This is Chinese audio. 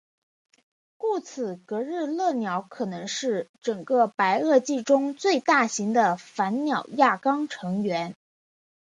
故此格日勒鸟可能是整个白垩纪中最大型的反鸟亚纲成员。